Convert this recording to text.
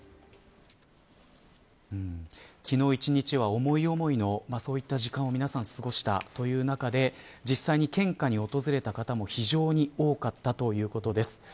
昨日一日は思い思いのそういった時間を皆さん過ごしたという中で実際に献花に訪れた方も非常に多かったということです。